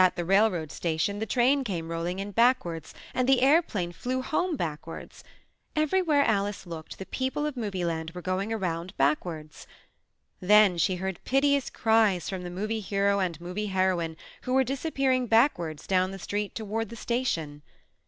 the railroad station the train came rolling in backwards and the airplane flew home backwards. Everywhere Alice looked, the people of Movie Land were going around back wards. Then she heard piteous cries from the Movie Hero and the Movie Heroine who were disappearing backwards down the str<vt toward the station.